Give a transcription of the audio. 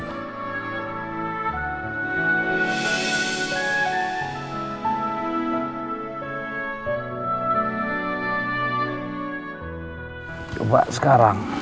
pada saat itu dia sudah berubah menjadi seorang orang yang lebih baik